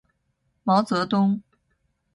毛泽东